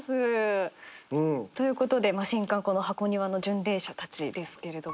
ということで新刊『箱庭の巡礼者たち』ですけれども。